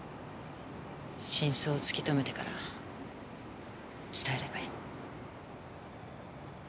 真相を突き止めてから伝えればいい。